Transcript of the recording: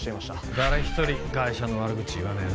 「誰一人ガイシャの悪口言わねえな」